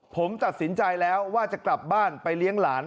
ผมตัดสินใจแล้วว่าจะกลับบ้านไปเลี้ยงหลาน